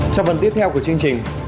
trong phần tiếp theo của chương trình